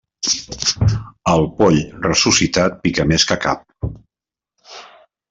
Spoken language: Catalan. El poll ressuscitat pica més que cap.